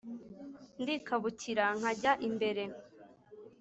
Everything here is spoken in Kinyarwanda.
Ndikabukira nkajya imbere